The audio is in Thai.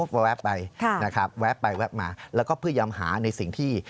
แล้วก็พยายามหาในสิ่งที่